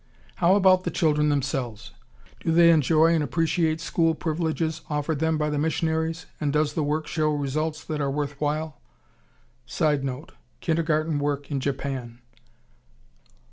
How about the children themselves? Do they enjoy and appreciate school privileges offered them by the missionaries, and does the work show results that are worth while? [Sidenote: Kindergarten work in Japan.